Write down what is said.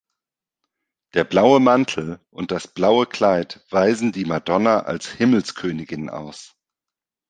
Der blaue Mantel und das blaue Kleid weisen die Madonna als Himmelskönigin aus.